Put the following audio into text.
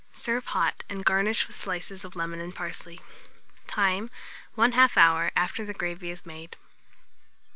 Serve hot, and garnish with slices of lemon and parsley. Time 1/2 hour, after the gravy is made.